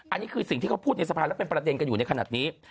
อันนี้คือสิ่งที่เขาพูดในสภาและเป็นประเด็นกันอยู่ในขณะนี้